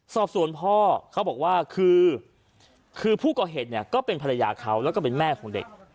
สอบส่วนพ่อเขาบอกว่าคือผู้ก่อเหตุเนี่ยก็เป็นภรรยาเขาแล้วก็เป็นแม่ของเด็ก